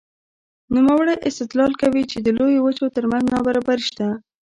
نوموړی استدلال کوي چې د لویو وچو ترمنځ نابرابري شته.